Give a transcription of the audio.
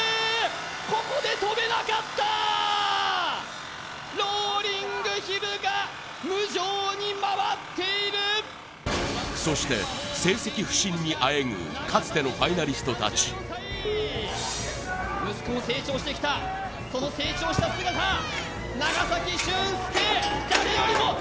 ここでとべなかったローリングヒルが無情に回っているそして成績不振にあえぐかつてのファイナリスト達息子も成長してきたその成長した姿あーっ！